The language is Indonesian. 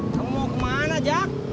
kamu mau kemana jak